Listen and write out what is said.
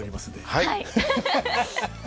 はい。